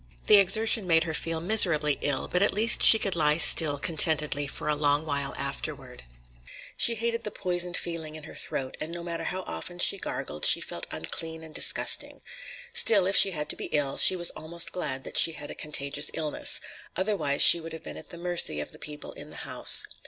The exertion made her feel miserably ill, but at least she could lie still contentedly for a long while afterward. She hated the poisoned feeling in her throat, and no matter how often she gargled she felt unclean and disgusting. Still, if she had to be ill, she was almost glad that she had a contagious illness. Otherwise she would have been at the mercy of the people in the house.